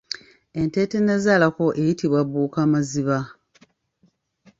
Ente etannazaalako eyitibwa bbuukamaziba.